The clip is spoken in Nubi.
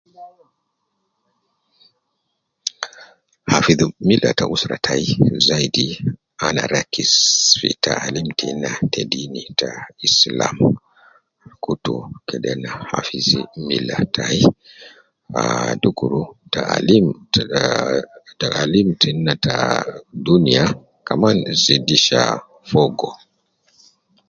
Hafidh mila ta usra tayi zayidi. Ana rakis fi taalim tenna ta diini ta islam, kutu kede ana hafidh mila tayi, aaa, dukur taalim tenna ta duniya kaman zidisha fogo.